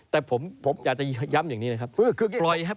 แต่ผมอยากจะย้ำอย่างนี้นะครับ